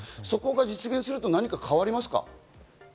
そこが実現すると何か変わりますか？